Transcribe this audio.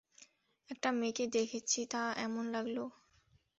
একটা মেয়েকে দেখেছি তো এমন লাগলো?